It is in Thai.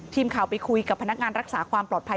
ทีมข่าวไปคุยกับพนักงานรักษาความปลอดภัย